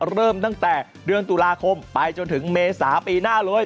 เริ่มตั้งแต่เดือนตุลาคมไปจนถึงเมษาปีหน้าเลย